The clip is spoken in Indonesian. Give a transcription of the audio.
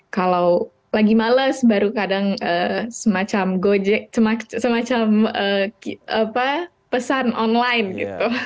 kalau lagi males baru kadang semacam gojek semacam apa pesan online gitu